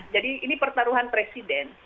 jadi ini pertarungan presiden